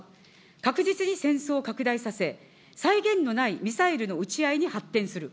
確実に戦争を拡大させ、際限のないミサイルの撃ち合いに発展する。